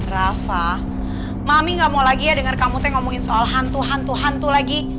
rafa mami gak mau lagi ya denger kamu ngomongin soal hantu hantu lagi